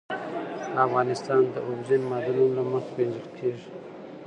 افغانستان د اوبزین معدنونه له مخې پېژندل کېږي.